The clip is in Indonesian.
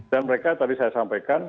dan mereka tadi saya sampaikan